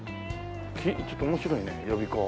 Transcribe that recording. ちょっと面白いね予備校。